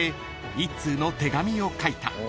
１通の手紙を書いた］